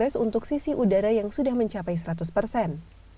race untuk sisi udara yang sudah mencapai seratus persen